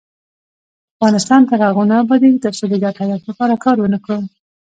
افغانستان تر هغو نه ابادیږي، ترڅو د ګډ هدف لپاره کار ونکړو.